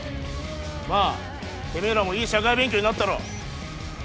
まあてめぇらもいい社会勉強になったろ。